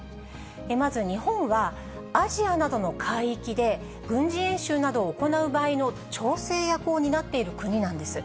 まず日本は、アジアなどの海域で軍事演習などを行う場合の調整役を担っている国なんです。